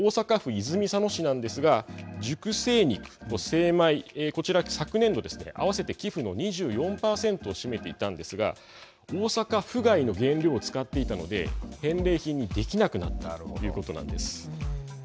もう１点大阪府泉佐野市なんですが熟成肉、精米こちら昨年度ですね合わせて寄付の２４パーセントを占めていたんですが大阪府外の原料を使っていたので返礼品にできなくなったということなんです。